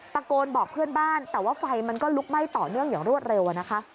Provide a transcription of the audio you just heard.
ตะโกนบอกเพื่อนบ้านแต่ว่าไฟมันก็ลุกไหม้ต่อเนื่องอย่างรวดเร็วอะนะคะ